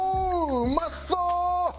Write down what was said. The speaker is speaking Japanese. うまそう！